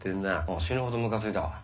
ああ死ぬほどむかついたわ。